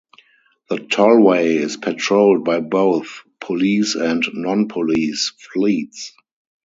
The Tollway is patrolled by both police and non-police fleets.